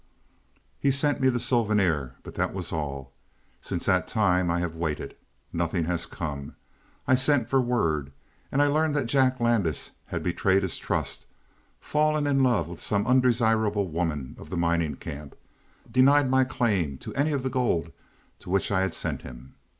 "He sent me the souvenir, but that was all. Since that time I have waited. Nothing has come. I sent for word, and I learned that Jack Landis had betrayed his trust, fallen in love with some undesirable woman of the mining camp, denied my claim to any of the gold to which I had sent him.